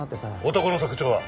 男の特徴は？